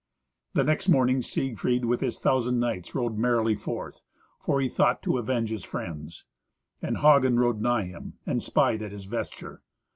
The next morning Siegfried, with his thousand knights, rode merrily forth; for he thought to avenge his friends. And Hagen rode nigh him, and spied at his vesture.